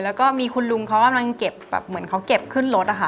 แล้วก็มีคุณลุงเขากำลังเก็บแบบเหมือนเขาเก็บขึ้นรถอะค่ะ